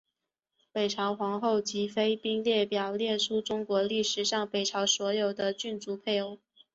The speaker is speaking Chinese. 北朝皇后及妃嫔列表列出中国历史上北朝所有的君主配偶。